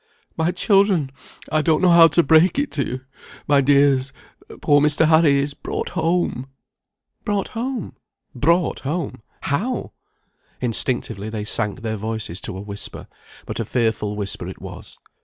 "My children! I don't know how to break it to you. My dears, poor Mr. Harry is brought home " "Brought home brought home how?" Instinctively they sank their voices to a whisper; but a fearful whisper it was.